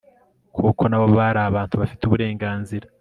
kuko na bo bari abantu bafite uburenganzira